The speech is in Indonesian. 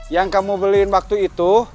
yang kamu beliin waktu itu